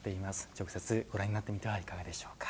直接ご覧になってみてはいかがでしょうか。